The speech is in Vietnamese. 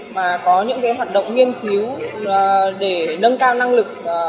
mà có những hoạt động nghiên cứu để nâng cao năng lực